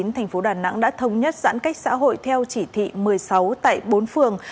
thành phố đà nẵng đã thống nhất giãn cách xã hội theo chỉ thị một mươi sáu tại bốn phường